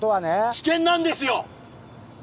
危険なんですよ！